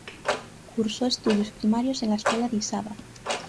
Cursó estudios primarios en la escuela de Isaba.